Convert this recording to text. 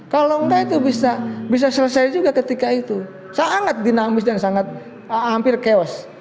kalau enggak itu bisa selesai juga ketika itu sangat dinamis dan sangat hampir chaos